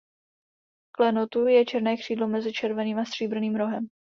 V klenotu je černé křídlo mezi červeným a stříbrným rohem.